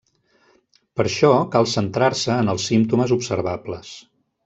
Per això cal centrar-se en els símptomes observables.